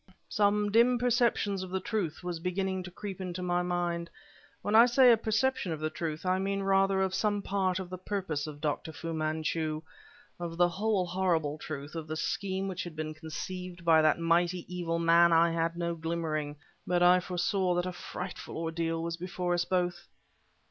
Some dim perceptions of the truth was beginning to creep into my mind. When I say a perception of the truth, I mean rather of some part of the purpose of Dr. Fu Manchu; of the whole horrible truth, of the scheme which had been conceived by that mighty, evil man, I had no glimmering, but I foresaw that a frightful ordeal was before us both.